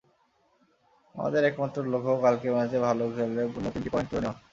আমাদের একমাত্র লক্ষ্য, কালকের ম্যাচে ভালো খেলে পূর্ণ তিনটি পয়েন্ট তুলে নেওয়া।